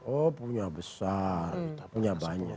oh punya besar punya banyak